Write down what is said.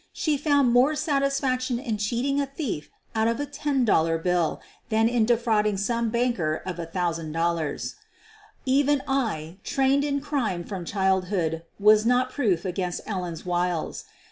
She found more satisfaction in cheating a thief out of a ten dollar bill than in de frauding some banker of $1,000. Even I, trained in crime from childhood, was not proof against Ellen's wiles.